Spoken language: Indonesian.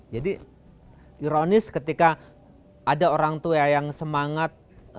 jadi ironis ketika ada orang tua yang semangat